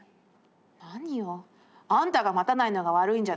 何よあんたが待たないのが悪いんじゃない」。